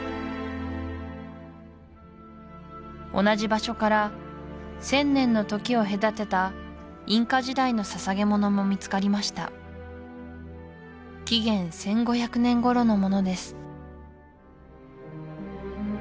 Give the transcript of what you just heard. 同じ場所から千年の時を隔てたインカ時代のささげ物も見つかりました紀元１５００年頃の物です